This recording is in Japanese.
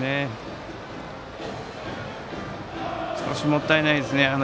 少しもったいないですね。